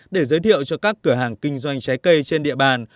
để giới thiệu cho các cửa hàng kinh doanh trái cây trên địa bàn